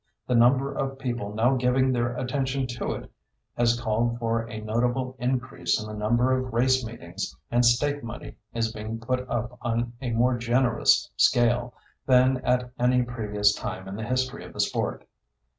The number of people now giving their attention to it has called for a notable increase in the number of race meetings, and stake money is being put up on a more generous scale than at any previous time in the history of the sport.